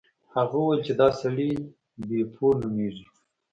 هغه وویل چې دا سړی بیپو نومیږي.